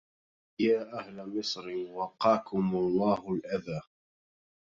يا أهل مصر وقاكم الله الأذى